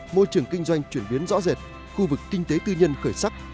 môi trường kinh doanh chuyển biến rõ rệt khu vực kinh tế tư nhân khởi sắc